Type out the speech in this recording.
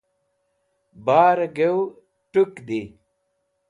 Bare gaw tũk di.